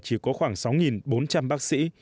chỉ có khoảng sáu bốn trăm linh bác sĩ